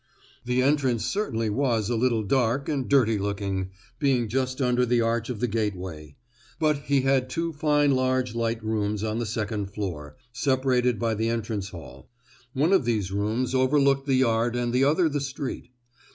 The entrance certainly was a little dark, and dirty looking, being just under the arch of the gateway. But he had two fine large light rooms on the second floor, separated by the entrance hall: one of these rooms overlooked the yard and the other the street.